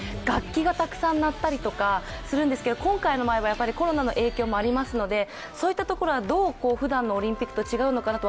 楽器がたくさん鳴ったりとかするんですけど今回の場合はコロナの影響もありますので、そういったところはどうふだんのオリンピックと違うのか